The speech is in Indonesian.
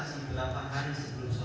setelah saniah mokah